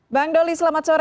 bang doli selamat sore